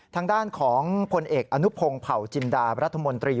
ทางด้านของพลเอกอนุพงศ์เผาจินดารัฐมนตรี